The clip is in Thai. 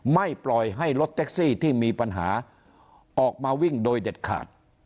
ไม่ปล่อยให้รถแท็กซี่ที่มีปัญหาออกมาวิ่งโดยเด็ดขาด